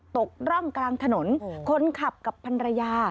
ตกร่องกลางถนนคนขับกับพันรยา